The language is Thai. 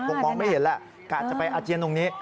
คงมองไม่เห็นแหละกาดจะไปอาเจียนตรงนี้